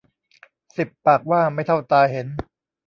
สิบปากว่าไม่เท่าตาเห็น